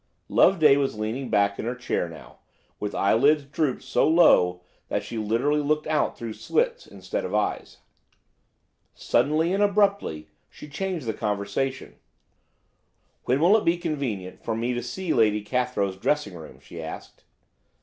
Loveday was leaning back in her chair now, with eyelids drooped so low that she literally looked out through "slits" instead of eyes. Suddenly and abruptly she changed the conversation. "When will it be convenient for me to see Lady Cathrow's dressing room?" she asked.